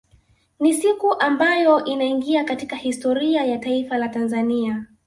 Ni siku ambayo inaingia katika historia ya taifa la Tanzania